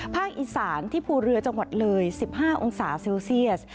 อีสานที่ภูเรือจังหวัดเลย๑๕องศาเซลเซียส